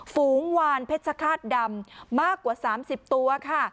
ฝูงวานเพชรฆาตดำมากกว่า๓๐ตัวค่ะ